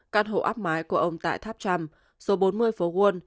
căn hộ áp mái của ông tại tháp trump số bốn mươi phố wall